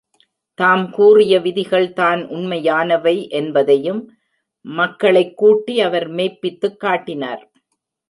தாம் கூறிய விதிகள் தான் உண்மையானவை என்பதையும் மக்களைக்கூட்டி அவர் மெய்ப்பித்துக் காட்டினார்.